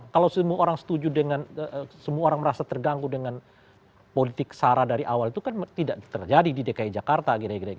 kalau semua orang setuju dengan semua orang merasa terganggu dengan politik sara dari awal itu kan tidak terjadi di dki jakarta